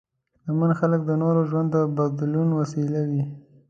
شتمن خلک د نورو ژوند د بدلون وسیله وي.